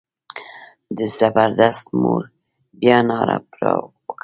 د زبردست مور بیا ناره پر وکړه.